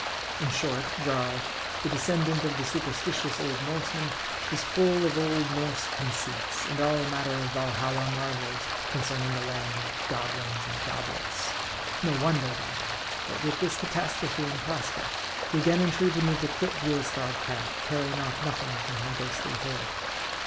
In short, Jarl, the descendant of the superstitious old Norsemen, was full of old Norse conceits, and all manner of Valhalla marvels concerning the land of goblins and goblets. No wonder then, that with this catastrophe in prospect, he again entreated me to quit the ill starred craft, carrying off nothing from her ghostly hull.